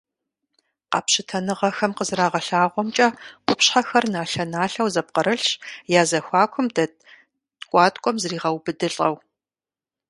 Къэпщытэныгъэхэм къызэрагъэлъэгъуамкӏэ, къупщхьэхэр налъэ-налъэу зэпкърылъщ, я зэхуакум дэт ткӏуаткӏуэм зригъэбыдылӏэу.